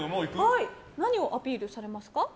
何をアピールされますか？